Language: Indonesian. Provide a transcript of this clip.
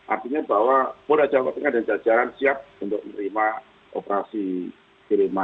artinya bahwa polda jawa tengah dan jajaran siap untuk menerima operasi kiriman